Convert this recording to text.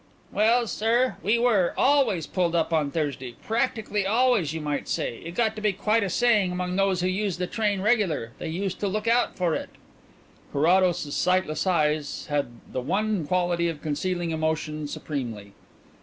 "Well, sir, we were always pulled up on Thursday; practically always, you may say. It got to be quite a saying among those who used the train regular; they used to look out for it." Carrados's sightless eyes had the one quality of concealing emotion supremely.